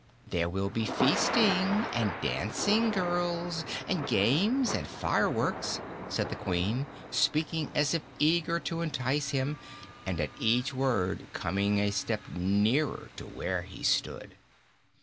"There will be feasting, and dancing girls, and games and fireworks," said the Queen, speaking as if eager to entice him and at each word coming a step nearer to where he stood.